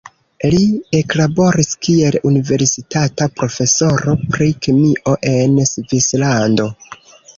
Li eklaboris kiel universitata profesoro pri kemio en Svislando.